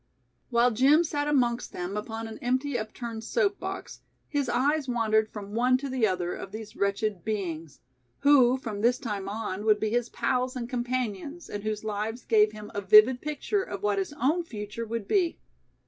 While Jim sat amongst them upon an empty upturned soap box, his eyes wandered from one to the other of these wretched beings, who from this time on would be his pals and companions and whose lives gave him a vivid picture of what his own future would be.